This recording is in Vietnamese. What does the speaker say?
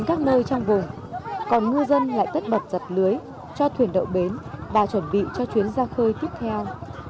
còn ngư dân lại tất bật giặt lưới cho thuyền đậu bến và chuẩn bị cho chuyến ra khơi tiếp theo